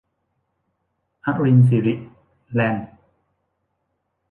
อรินสิริ แลนด์